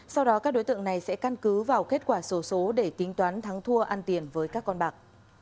sau đó các đối tượng này sẽ căn cứ vào kết quả sổ số để tính toán thắng thua ăn tiền với các con bạc